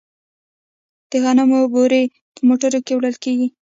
د غنمو بورۍ په موټرو کې وړل کیږي.